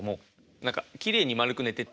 何かきれいに丸く寝てて。